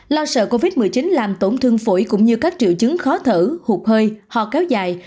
lo sợ covid một mươi chín làm tổn thương phổi cũng như các triệu chứng khó thở hụt hơi ho kéo dài